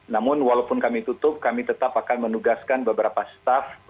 namun walaupun kami tutup kami tetap akan menugaskan beberapa staff